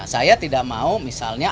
saya tidak mau misalnya